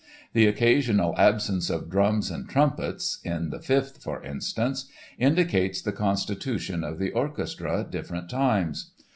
The occasional absence of drums and trumpets (in the Fifth, for instance) indicates the constitution of the orchestra at different times.